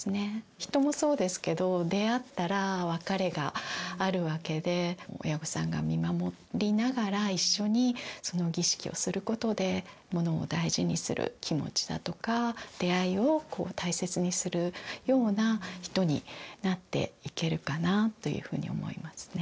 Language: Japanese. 人もそうですけど出会ったら別れがあるわけで親御さんが見守りながら一緒にその儀式をすることで物を大事にする気持ちだとか出会いを大切にするような人になっていけるかなというふうに思いますね。